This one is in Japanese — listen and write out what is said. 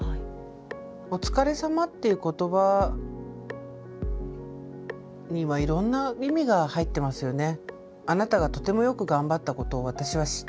「おつかれさま」っていう言葉にはいろんな意味が入ってますよね。